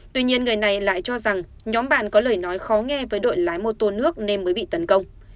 tuy nhiên người này lại cho rằng nhóm bạn có lời nói khó nghe với đội lái mô tô nước nên mới bị tấn công